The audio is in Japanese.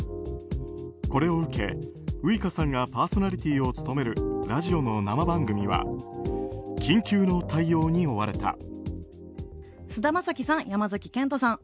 これを受け、ウイカさんがパーソナリティーを務めるラジオの生番組は緊急の対応に追われた。